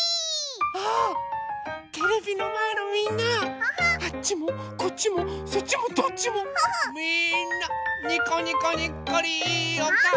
あテレビのまえのみんなあっちもこっちもそっちもどっちもみんなにこにこにっこりいいおかお。